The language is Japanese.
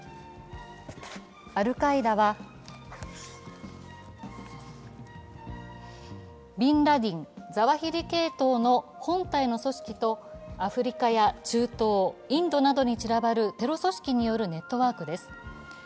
アルカイダは、ビンラディン＝ザワヒリ系統の本体の組織とアフリカや中東、インドなどに散らばるテロ組織によるネットワークです。